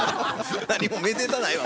何もめでたないわ